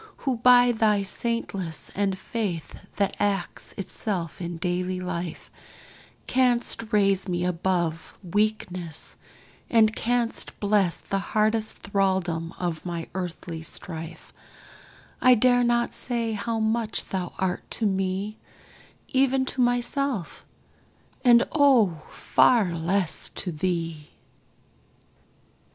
who, by thy saintliness And faith that acts itself in daily life, Canst raise me above weakness, and canst bless The hardest thraldom of my earthly strife I dare not say how much thou art to me Even to myself and O, far less to thee!